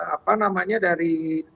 apa namanya dari